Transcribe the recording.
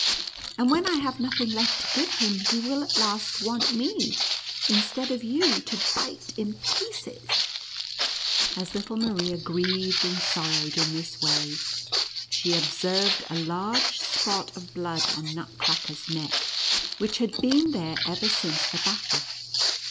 And, when I have nothing left to give him, he will at last want me, instead of you, to bite in pieces." As little Maria grieved and sorrowed in this way, she observed a large spot of blood on Nutcracker's neck, which had been NUTCRACKER AND MOUSE KING. 103 there ever since the battle.